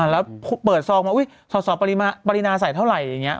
แล้วเปิดซองมาสอบปรินาใส่เท่าไหร่อย่างนี้